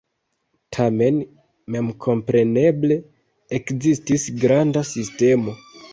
Tamen memkompreneble ekzistis granda sistemo.